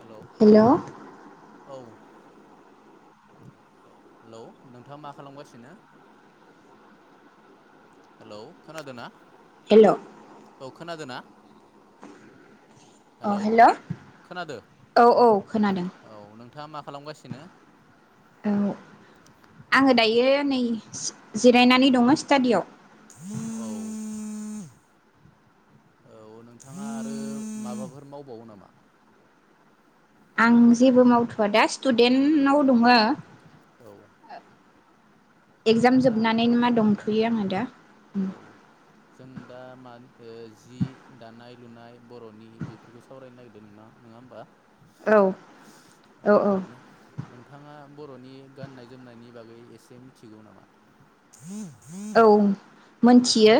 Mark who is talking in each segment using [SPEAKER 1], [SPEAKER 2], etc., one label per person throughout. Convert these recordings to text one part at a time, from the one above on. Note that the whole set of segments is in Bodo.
[SPEAKER 1] हेल' औ हेलौ नोंथाङा मा खालामगासिनो हेलौ खोनादोंना औ खोनादों ना
[SPEAKER 2] अ
[SPEAKER 1] हेलौ
[SPEAKER 2] हेल'
[SPEAKER 1] खोनादो
[SPEAKER 2] औ औ खोनादों
[SPEAKER 1] औ नोंथाङा मा खालामगासिनो
[SPEAKER 2] औ आङो दायो नै जिरायनानै दङ स्टाडिआव
[SPEAKER 1] औ औ नोंथाङा आरो माबाफोर मावबावो नामा
[SPEAKER 2] आं जेबो मावथव दा स्टुदेन्टाव दङ
[SPEAKER 1] औ
[SPEAKER 2] एक्जाम
[SPEAKER 1] नोंथाङा
[SPEAKER 2] जोबनानैनो मा दं बेयो आंङो दा
[SPEAKER 1] औ जों दा मानि जि दानाय लुनाय बरनि बेफोरखौ सावरायनो नागिरदों नङा होमबा
[SPEAKER 2] औ
[SPEAKER 1] औ नोंथाङा बरनि गाननाय जोमनायनि बागै एसे मिथिगौ नामा
[SPEAKER 2] औ मोनथियो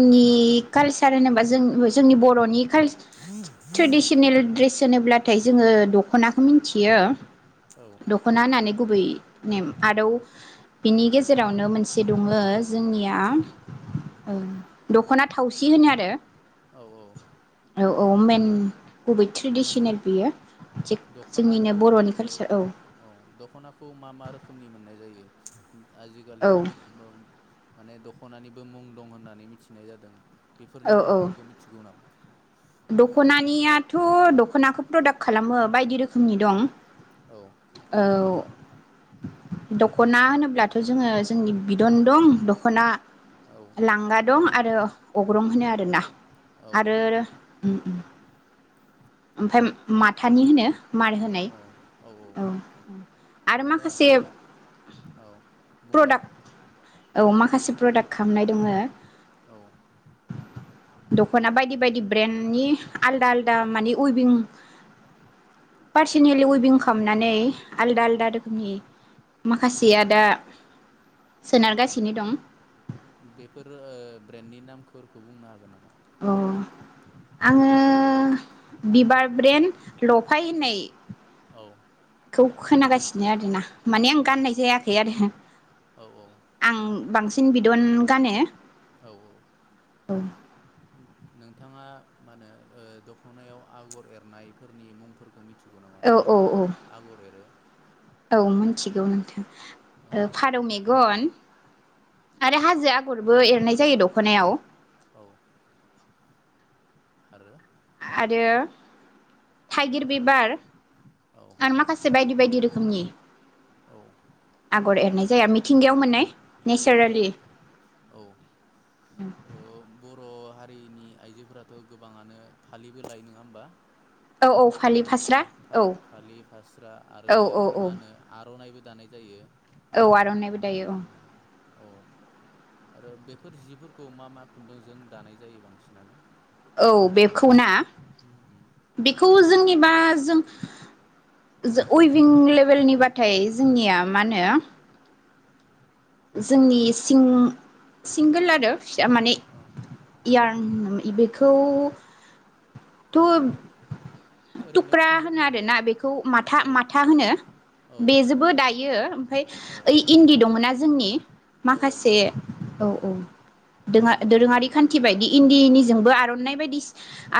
[SPEAKER 1] औ
[SPEAKER 2] कालस थार होनोबा जों जोंनि बरनि काल ट्रेडिसनेल ड्रेस सोनोब्लाथाय जोंङो दखनाखौ मिथियो
[SPEAKER 1] औ
[SPEAKER 2] दखना होननानै गुबै ने
[SPEAKER 1] औ
[SPEAKER 2] आरोव बिनि गेजेरावनो मोनसे दंङो जोंनिया ओ दखना थावसि थि होनो आरो
[SPEAKER 1] औ औ
[SPEAKER 2] औ औ मेन बबे ट्रेडिसनेल बियो थिग जोंनिनो
[SPEAKER 1] दखनाखौ
[SPEAKER 2] बर'नि कालसार
[SPEAKER 1] औ दखनाखौ मा मा रोखोमनि मोननाय जायो आजिखालि
[SPEAKER 2] औ
[SPEAKER 1] माने दख- खनानिबो मुं दं होननानै मिथिनाय जादों
[SPEAKER 2] औ
[SPEAKER 1] बेफोरनि
[SPEAKER 2] औ
[SPEAKER 1] मुंफोरखौ मिथिगौ नामा
[SPEAKER 2] दखनानियाथ दखनाखौ प्रदाक खालामो बायदि रोखोमनि दं
[SPEAKER 1] औ
[SPEAKER 2] औ दखना होनोब्लाथ जोंङो जोंनि बिदन दं दखना
[SPEAKER 1] औ
[SPEAKER 2] लांगा दं आरो अग्रं होनो आरोना
[SPEAKER 1] औ
[SPEAKER 2] आरो उम उम ओमफ्राय माथानि होनो मार होनाय औ आरो
[SPEAKER 1] दा
[SPEAKER 2] माखासे
[SPEAKER 1] औ बुंलाय
[SPEAKER 2] प्रडाक्ट औ माखासे प्रडाक्ट खालामनाय दंङ
[SPEAKER 1] औ
[SPEAKER 2] दखना बायदि बायदि ब्रेन्ड नि आलदा आलदा मानि उइबिं
[SPEAKER 1] औ
[SPEAKER 2] पार्सनेलि उइबिं खालाम नानै आलदा आलदा रोखोमनि
[SPEAKER 1] औ
[SPEAKER 2] माखासेया दा सोनारगासिनो दं
[SPEAKER 1] खौ बुंनो हागोन नामा?
[SPEAKER 2] अ आङो बिबार ब्रेन लफाय होननाय
[SPEAKER 1] औ
[SPEAKER 2] बेखौ खोनागासिनो आरोना माने आं गाननाय
[SPEAKER 1] औ
[SPEAKER 2] जायाखै आरो
[SPEAKER 1] औ
[SPEAKER 2] आं बांसिन बिदन गानो
[SPEAKER 1] औ औ नोंथाङा मा होनो दख'नायाव आगर एरनायफोरनि मुंफोरखौ मिथि
[SPEAKER 2] औ औ औ औ मिथिगौ नों फारौ मेगन आरो हाजो आगरबो एरनाय जायो दखनायाव
[SPEAKER 1] औ आरो
[SPEAKER 2] आरो थाइगिर बिबार
[SPEAKER 1] औ
[SPEAKER 2] आरो माखासे बायदि बायदि बायदि रोखोमनि
[SPEAKER 1] औ
[SPEAKER 2] आगर एरनाय जाया मिथिंगायाव मोननाय
[SPEAKER 1] औ
[SPEAKER 2] नेचारेलि
[SPEAKER 1] औ
[SPEAKER 2] उम
[SPEAKER 1] औ बर' हारिनि आइजोफोराथ' गोबाङानो फालिबो लायो नङा होमबा
[SPEAKER 2] औ औ फालि फास्रा औ
[SPEAKER 1] फालि फास्रा आरो
[SPEAKER 2] औ औ औ
[SPEAKER 1] मा होनो आर'नाइबो दानाय जायो।
[SPEAKER 2] औ आर'नाइबो दायो औ।
[SPEAKER 1] औ आरो बेफोर जिफोरखौ मा मा खुन्दुंजों दानाय जायो बांसिनानो?
[SPEAKER 2] औ बेखौ ना बेखौ जोंनि बा जों उइभिं लेभेलनिबथाय जोंनिया मा होनो जोंनि सि सिंगोल आरो फिसा माने इयार बेखौ थ'
[SPEAKER 1] ओरैनो
[SPEAKER 2] थुक्रा
[SPEAKER 1] खुन्दुं
[SPEAKER 2] होनो आरोना बेखौ
[SPEAKER 1] औ
[SPEAKER 2] माथा
[SPEAKER 1] औ
[SPEAKER 2] माथा होनो।
[SPEAKER 1] औ
[SPEAKER 2] बेजोंबो दायो ओमफ्राय
[SPEAKER 1] औ
[SPEAKER 2] ओइ इन्दि दङ ना जोंनि
[SPEAKER 1] औ
[SPEAKER 2] माखासे औ औ दो
[SPEAKER 1] इन्दि
[SPEAKER 2] दोरोङारि खान्थि बायदि इ जोंबो आरनाइ' बायदि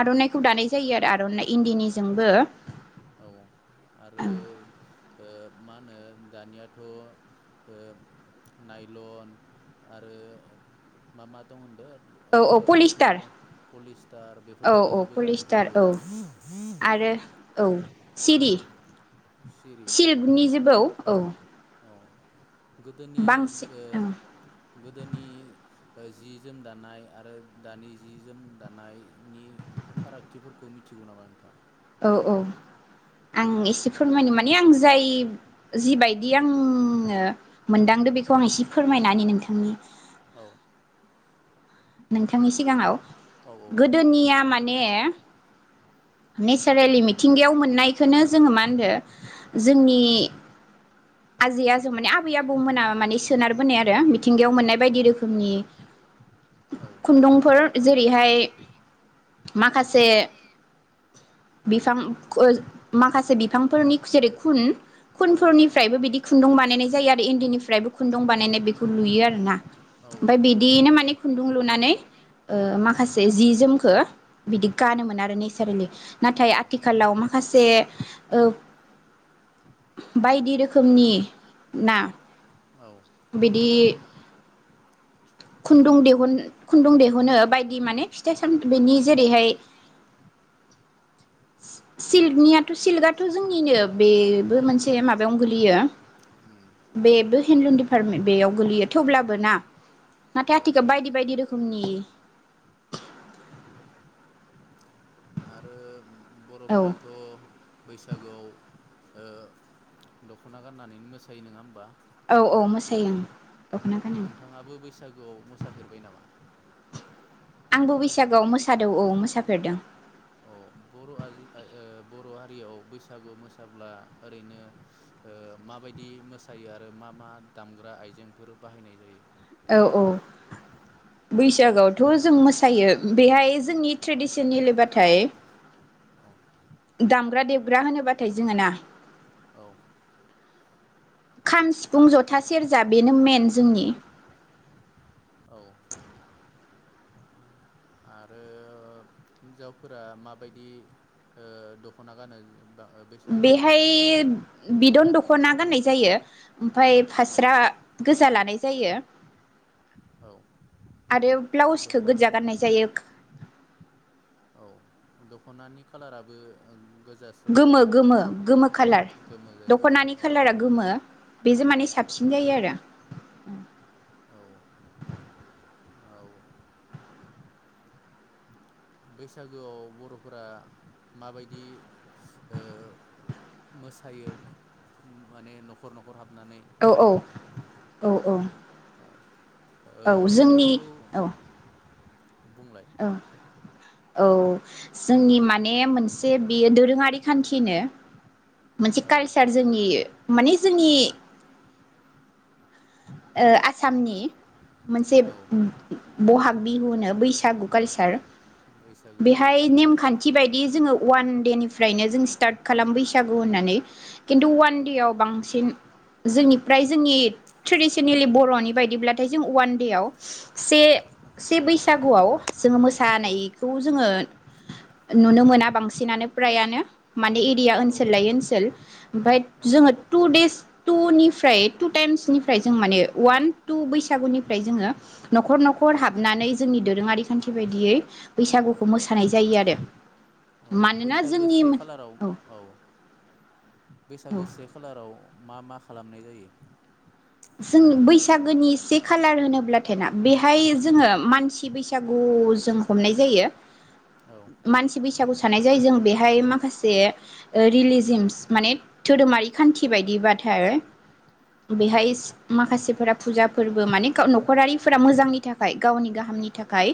[SPEAKER 2] आरनाइ' खौ दानाय जायो आरो आर इन्दिनिजोंबो
[SPEAKER 1] औ आरो ओ मा होनो दानियाथ' ओ लाइलन आरो मा मा दं होनदों
[SPEAKER 2] औ
[SPEAKER 1] ओ
[SPEAKER 2] औ पलिस्टार
[SPEAKER 1] ल पलिस्टार
[SPEAKER 2] औ औ
[SPEAKER 1] बेफोरबायदिजोंबो दानाय
[SPEAKER 2] पलिस्टार
[SPEAKER 1] जायो
[SPEAKER 2] औ आरो औ। सिरि
[SPEAKER 1] सिरि औ
[SPEAKER 2] सिल्भनि जिबो औ
[SPEAKER 1] औ गोदोनि
[SPEAKER 2] बांसिन औ
[SPEAKER 1] ओ गोदोनि जि जोम दानाय आरो दानि जि जोम दानायनि फारागथिफोरखौ मिथिगौ नामा नोंथाङा?
[SPEAKER 2] औ-औ आं एसे फोरमायनो माने आं जाय जिबायदि आङो मोनदांदो बेखौ आङो एसे फोरमायना होनि नोंथांनि।
[SPEAKER 1] औ।
[SPEAKER 2] नोंथांनि सिगाङाव।
[SPEAKER 1] औ
[SPEAKER 2] गोदोनिया मा माने नेचारेलि मिथिंगायाव मोननायखौनो जोङो मा होनदो जोंनि आजै आजौ माने आबै आबौमोना माने सोनारबोनाय आरो मि थिंगायाव
[SPEAKER 1] औ
[SPEAKER 2] मोननाय बायदि रोखोमनि
[SPEAKER 1] औ
[SPEAKER 2] खुन्दुंफोर जेरैहाय माखासे बिफां माखासे बिफांफोरनि जेरै खुन
[SPEAKER 1] औ
[SPEAKER 2] खुनफोरनि बिदि खुन्दुं बानायनाय जायो आरो इन्दि निफ्रायबो खुन दुं बानायनाय बेखौ नुयो आरो ना ओमफ्राय बिदियैनो माने खुन्दुं लुनानै
[SPEAKER 1] औ
[SPEAKER 2] ओ माखासे जि जोमखो बिदि गानोमोन आरो नेसारेलि। नाथाय
[SPEAKER 1] औ
[SPEAKER 2] आथिखालाव माखासे ओ बायदि रो खोमनि ना?
[SPEAKER 1] औ
[SPEAKER 2] बिदि खुन्दुं दिहुन खुन्दुं दिहुनो बायदि माने फिथाइ सामथ बिनि जेरैहाय सिलनियाथ' सिलगाद जोंनिनो
[SPEAKER 1] औ
[SPEAKER 2] बेबो मोनसे माबायाव गोलो यो।
[SPEAKER 1] उम
[SPEAKER 2] बेबो हेन्दलुन डिपार्टमेन्ट बेयाव गोलैयो थेवब्लाबो ना? नाथाय
[SPEAKER 1] औ
[SPEAKER 2] आथिखो बायदि बायदि रो खोमनि
[SPEAKER 1] आरो
[SPEAKER 2] औ
[SPEAKER 1] बर'फोराथ' बैसागोआव। ओ दख'ना गाननानै मोसायो नङा होमबा?
[SPEAKER 2] औ औ मोसायो ओं। दख'ना गानो
[SPEAKER 1] नोंथाङाबो बैसागोआव मोसाफेरबाय नामा?
[SPEAKER 2] आंबो बैसागोआव मोसादौ औ मोसाफेरदों।
[SPEAKER 1] औ बर' ओ बर' हारियाव बैसागु मोसाब्ला ओरैनो ओ माबायदि मोसायो आरो मा मा दामग्रा आइजेंफोर बाहायनाय जायो।
[SPEAKER 2] औ औ बैसागआवथ' जों मोसायो बेहाय जोंनि ट्रेडिसन एलेबाथाय।
[SPEAKER 1] [inaudible]
[SPEAKER 2] दामग्रा देबग्रा होनोब्लाथाय जोङो ना?
[SPEAKER 1] औ।
[SPEAKER 2] खाम सिफुं जथा सेरजा बेनो मेन जोंनि।
[SPEAKER 1] औ। आरो हिन्जावफोरा माबायदि ओ दख'ना गानो। बा बैसागोआव
[SPEAKER 2] बेहाय बिद'न दख खना गाननाय जायो। ओमफाय
[SPEAKER 1] औ
[SPEAKER 2] फास्रा गोजा लानाय जा जायो।
[SPEAKER 1] औ
[SPEAKER 2] आरो ब्लाउसखो
[SPEAKER 1] दख'ना
[SPEAKER 2] गोजा गाननाय जायो।
[SPEAKER 1] औ दख'नानि खाालाराबो।
[SPEAKER 2] गोमो गोमो गोमो खाालार
[SPEAKER 1] गोमो जायो
[SPEAKER 2] दख'नानि
[SPEAKER 1] औ
[SPEAKER 2] खालारा गोमो
[SPEAKER 1] जायो
[SPEAKER 2] बेजो माने साबसिन
[SPEAKER 1] औ
[SPEAKER 2] जायो आरो।
[SPEAKER 1] औ औ बैसागोआव बर'फोरा माबायदि ओ मोसायो माने न'खर न'खर हाब नानै
[SPEAKER 2] औ
[SPEAKER 1] जेरै
[SPEAKER 2] औ औ।
[SPEAKER 1] [inaudible]
[SPEAKER 2] औ जोंनि
[SPEAKER 1] बेफोरखौ
[SPEAKER 2] औ।
[SPEAKER 1] बुंलाय
[SPEAKER 2] औ औ जोंनि माने मोनसे बेयो दोरोङारि खान्थिनो। मोनसे
[SPEAKER 1] औ
[SPEAKER 2] कालसार जोंनि। माने जोंनि
[SPEAKER 1] औ
[SPEAKER 2] ओ आसामनि मोनसे
[SPEAKER 1] औ
[SPEAKER 2] ओम बहाग बिहुनो बैसागु कालचार
[SPEAKER 1] बैसागोआव
[SPEAKER 2] बेहाय नेमखा न्थिबायदि जोङो अवान देनिफ्रायनो जों स्टार्ट खालामो बैसागु होननानै। खिन्थु
[SPEAKER 1] औ
[SPEAKER 2] अवान देवाव बांसिन जोंनिफ्राय जोंनि ट्रेडिसनेलि बर'नि बायदिब्लाथाय जों अवान देवाव से से बैसागुआव जोङो मोसानायखौ जोङो नुनो मोना बांसिनानो फ्रायानो।
[SPEAKER 1] औ
[SPEAKER 2] माने एरिया ओनसोल लायै ओनसोल ओमफाय
[SPEAKER 1] औ
[SPEAKER 2] जोङो टु देस टु निफ्राय टु टाइम्सनि फ्राय जों माने अ वान टु बैसागुनिफ्राय जोङो न'खर
[SPEAKER 1] औ
[SPEAKER 2] न'खर हाबनानै जोंनि दो दोरोङारि खान्थि बायदियै बैसागुखौ मोसानाय जायो आरो।
[SPEAKER 1] औ
[SPEAKER 2] मानोना
[SPEAKER 1] बैसागो
[SPEAKER 2] जोंनि
[SPEAKER 1] से खालाराव
[SPEAKER 2] औ
[SPEAKER 1] औ बैसागो
[SPEAKER 2] औ
[SPEAKER 1] से खालाराव मा मा खा लामनाय जायो?
[SPEAKER 2] जों बैसागोनि से खालार होनोब्लाथाय ना बेहाय जोङो मानसि बैसागु जों हमनाय जायो।
[SPEAKER 1] औ
[SPEAKER 2] मानसि बैसा सागु साननाय जाय जों बेहाय माखासे ओ रिलिजिमस माने धोरोमारि खान्थि बायदिबाथाय
[SPEAKER 1] औ
[SPEAKER 2] बेहाय माखासेफोरा फुजा फोरबो माने नखरारिफोरा मोजांनि थाखाय गावनि गाहामनि थाखाय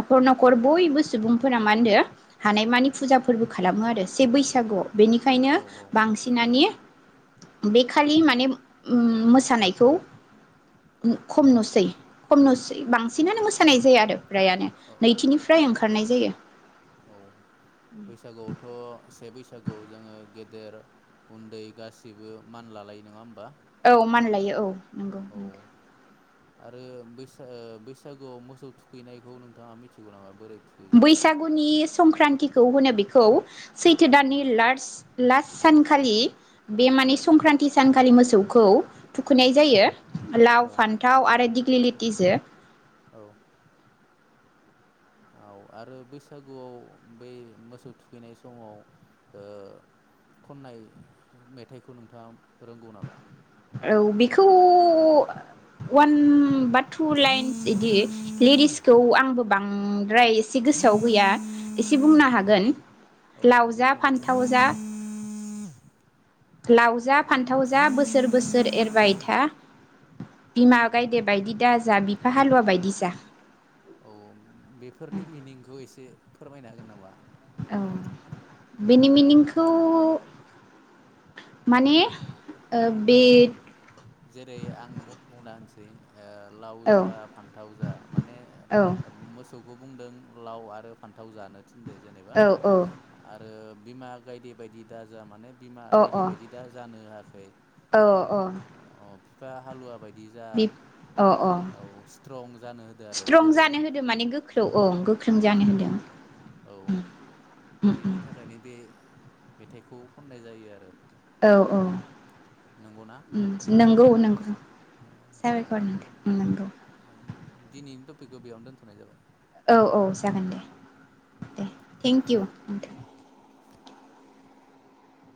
[SPEAKER 2] न'खर न'खर बयबो सुबुंफोरा मा होनदों हानाय मानि फुजा फोरबो खालामो आरो से बैसागुआव। बेनिखायनो
[SPEAKER 1] औ
[SPEAKER 2] बांसिनानि बे खालि माने मोसानाय खौ खम नुसै। खम नुसै बांसिनानो मोसानाय जाया आरो। फ्रायानो
[SPEAKER 1] औ
[SPEAKER 2] नैथिनिफ्राय ओंखारनाय जायो।
[SPEAKER 1] औ बैसागुआवथ' से बैसा सागुआव जोङो गेदेर उन्दै गासिबो मान लालायो नङा होमबा?
[SPEAKER 2] औ मानलायो औ नंगौ।
[SPEAKER 1] औ आरो बैसा ओ बैसागुआव मोसौ थुखैनायखौ नोंथाङा मिथिगौ नामा? बोरै थुखैयो
[SPEAKER 2] बैसागुनि संक्रान्तिखौ होनो बेखौ सैथो दाननि
[SPEAKER 1] औ
[SPEAKER 2] लारस्ट लास्ट सानखालि बे
[SPEAKER 1] औ
[SPEAKER 2] माने संक्रान्ति सान खालि मोसौखौ थुखैनाय जायो।
[SPEAKER 1] औ
[SPEAKER 2] लाव फान्थाव आरो दि ग्लिलिटिजो
[SPEAKER 1] औ। औ आरो बैसागुआव बे मोसौ थुखैनाय समाव ओ खननाय मेथाइखौ नोंथाङा रोंगौ नामा?
[SPEAKER 2] औ बेखौ अवान बात थु लाइन्स इदि लिरिसखौ आं बां द्राय एसे गोसोआव गैया एसे बुंनो हागोन
[SPEAKER 1] औ
[SPEAKER 2] लाव जा
[SPEAKER 1] बेखौनो बुंनो
[SPEAKER 2] फान्थाव‌
[SPEAKER 1] हागोन
[SPEAKER 2] जालाव जा
[SPEAKER 1] औ
[SPEAKER 2] फान्थाव‌ जा बोस सोर बोसोर एरबाय था, बिमा गायदे बायदि दा जा बिफा हालुवा बायदि जा।
[SPEAKER 1] औ बेफोरनि मिनिंखौ एसे फोरमायनो हागोन नामा?
[SPEAKER 2] औ बेनि मिनिंखौ माने बे
[SPEAKER 1] जेरै आं बु-बुंना होन दे ओ लाव
[SPEAKER 2] औ
[SPEAKER 1] जा फान्थाव जा माने
[SPEAKER 2] औ
[SPEAKER 1] मोसौ खौ बुंदों लाव आरो फान्थाव जानो थिनदो जेनेबा
[SPEAKER 2] औ
[SPEAKER 1] आरो बिमा गायदे बायदि दा जा माने बिमा बायदि
[SPEAKER 2] अ
[SPEAKER 1] बायदि दा जानो होआखै
[SPEAKER 2] अ औ अ
[SPEAKER 1] अ बिफा हालुवा बाय
[SPEAKER 2] बे अ अ
[SPEAKER 1] स्ट्रं जानो होदो आरो
[SPEAKER 2] स्ट्रं
[SPEAKER 1] जेरै
[SPEAKER 2] जानो होदो माने गोख्रो औ गोख्रों जानो
[SPEAKER 1] औ
[SPEAKER 2] होदों
[SPEAKER 1] औ
[SPEAKER 2] ओम।
[SPEAKER 1] बेनि थाखायनो बे मेथाइखौ खननाय जायो आरो।
[SPEAKER 2] औ औ उम नंगौ नंगौ। [unintelligible]
[SPEAKER 1] अ औ दिनैनिथ फिखौ बेयाव दोनथनाय जाबाय।
[SPEAKER 2] औ औ जागोन दे दे थेंकिउ।